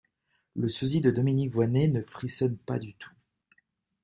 Le sosie de Dominique Voynet ne frissonne pas du tout.